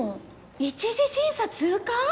１次審査通過！？